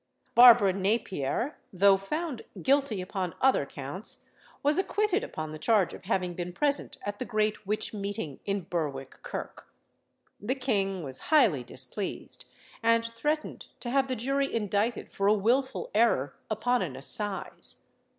Barbara Napier, though found guilty upon other counts, was acquitted upon the charge of having been present at the great witch meeting in Berwick kirk. The king was highly displeased, and threatened to have the jury indicted for a wilful error upon an assize.